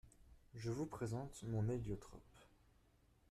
Je vous présente mon héliotrope.